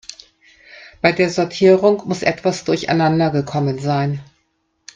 Bei der Sortierung muss etwas durcheinander gekommen sein.